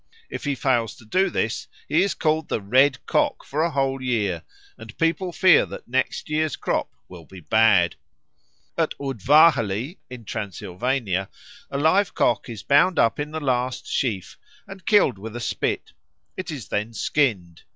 If he fails to do this, he is called the Red Cock for a whole year, and people fear that next year's crop will be bad. Near Udvarhely, in Transylvania, a live cock is bound up in the last sheaf and killed with a spit. It is then skinned.